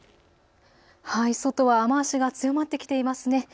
外は雨足が強まってきていますね。